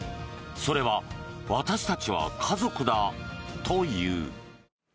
それは「私たちが家族だ」という。